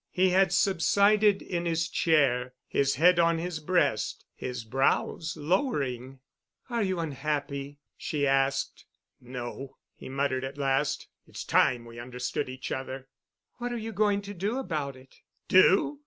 He had subsided in his chair, his head on his breast, his brows lowering. "Are you unhappy?" she asked. "No," he muttered at last. "It's time we understood each other." "What are you going to do about it?" "Do?